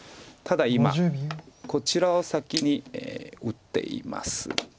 ただ今こちらを先に打っています。